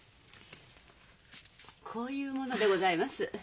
こういう者でございます。